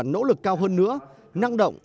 nỗ lực cao hơn nữa năng động